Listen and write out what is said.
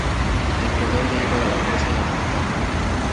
El poder deriva de la fuerza y la voluntad.